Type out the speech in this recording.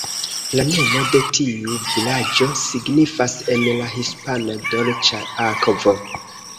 La nomo de tiu vilaĝo signifas en la hispana "Dolĉa akvo".